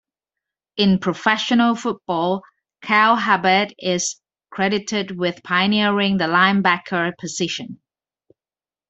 In professional football, Cal Hubbard is credited with pioneering the linebacker position.